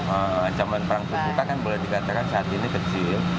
ancaman perang terbuka kan boleh dikatakan saat ini kecil